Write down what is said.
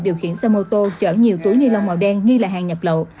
điều khiển xe mô tô chở nhiều túi nilon màu đen nghi là hàng nhập lậu